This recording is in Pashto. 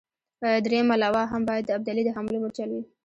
درېمه لواء هم باید د ابدالي د حملو مورچل وي.